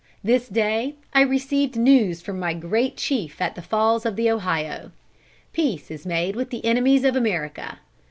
This day I received news from my great chief at the Falls of the Ohio. Peace is made with the enemies of America.